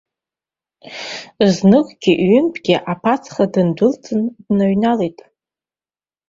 Зныкгьы ҩынтәгьы аԥацха ддәылҵит, дыҩналеит.